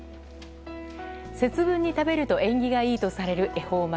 節分に食べると縁起がいいとされる恵方巻。